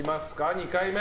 ２回目。